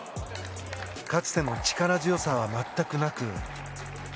かつての力強さは全くなく。